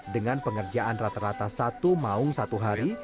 dengan pengerjaan rata rata satu maung satu hari